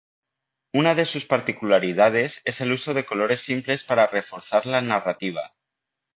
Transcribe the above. Una de sus particularidades es el uso de colores simples para reforzar la narrativa.